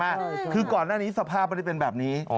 ใช่คือก่อนหน้านี้สภาพไม่ได้เป็นแบบนี้